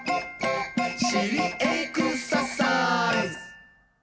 「しりエクササイズ！」